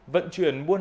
vận chuyển muôn đồng